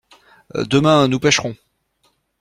Demain nous pêcherons.